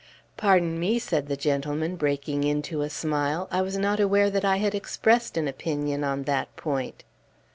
"Pardon me," said the gentleman, breaking into a smile; "I was not aware that I had expressed an opinion on that point."